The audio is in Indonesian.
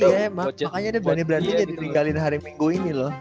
iya emang makanya dia berani berani jadi tinggalin hari minggu ini loh